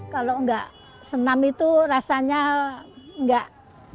kalau nggak senam itu rasanya enggak